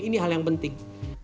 ini hal yang penting